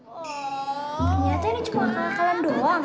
oh ternyata ini cuma kagak kalem doang